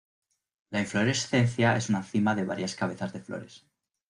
La inflorescencia es una cima de varias cabezas de flores.